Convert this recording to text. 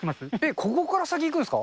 ここから先、行くんですか？